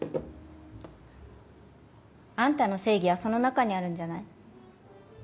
あんたの正義はその中にあるんじゃない？